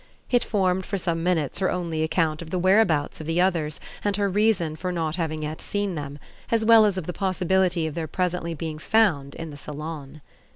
It formed for some minutes her only account of the whereabouts of the others and her reason for not having yet seen them, as well as of the possibility of their presently being found in the salon.